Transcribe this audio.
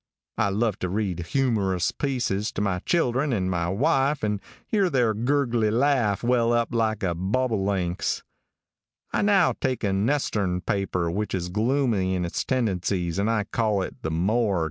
I love to read humerrus pieces to my children and my wife and hear their gurgly laugh well up like a bobollink's. I now take an estern paper which is gloomy in its tendencies, and I call it the Morg.